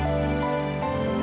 ya makasih ya